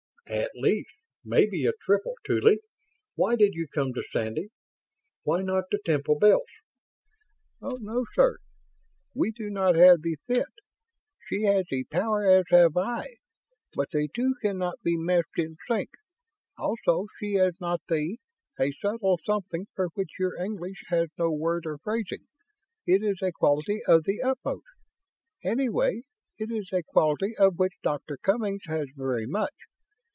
"At least. Maybe a triple. Tuly, why did you come to Sandy? Why not to Temple Bells?" "Oh, no, sir, we do not have the fit. She has the Power, as have I, but the two cannot be meshed in sync. Also, she has not the ... a subtle something for which your English has no word or phrasing. It is a quality of the utmost ... anyway, it is a quality of which Doctor Cummings has very much.